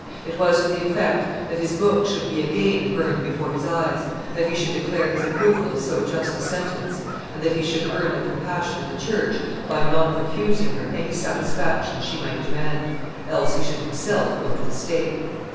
It was to the effect that his books should be again burned before his eyes, that he should declare his approval of so just a sentence, and that he should earn the compassion of the church by not refusing her any satisfaction she might demand; else he should himself go to the stake.